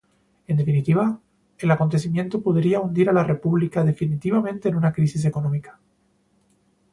En definitiva: el acontecimiento podría hundir a la República definitivamente en una crisis económica.